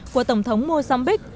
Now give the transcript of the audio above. của tổng thống mozambique